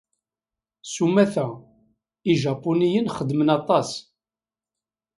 S umata, Ijapuniyen xeddmen aṭas.